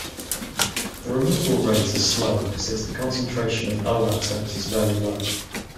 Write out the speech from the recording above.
The removal rate is slow, since the concentration of O atoms is very low.